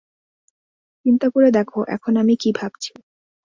চিন্তা করে দেখো এখন আমি কী ভাবছি।